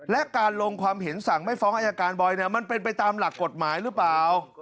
และการลงความเห็นสั่งไม่ฟ้องอายการบอยมันเป็นไปตามหลักกฎหมายหรือเปล่า